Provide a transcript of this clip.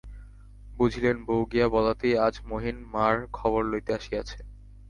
বুঝিলেন, বউ গিয়া বলাতেই আজ মহিন মার খবর লইতে আসিয়াছে।